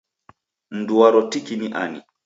Mndu waro tiki ni ani?